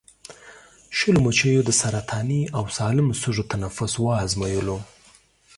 شلو مچیو د سرطاني او سالمو سږو تنفس وازمویلو.